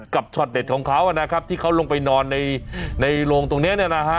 ช็อตเด็ดของเขานะครับที่เขาลงไปนอนในโรงตรงนี้เนี่ยนะฮะ